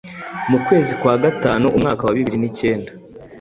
mu kwezi kwa gatanu umwaka wa bibiri ni kenda